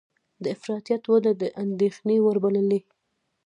د افراطیت وده د اندېښنې وړ بللې